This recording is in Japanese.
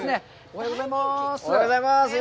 おはようございます。